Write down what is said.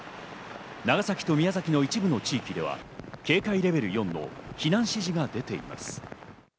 長崎と宮崎の一部の地域では、警戒レベル４の避難指示が出ています。